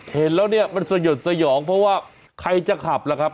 เห็นแล้วเนี่ยมันสยดสยองเพราะว่าใครจะขับล่ะครับ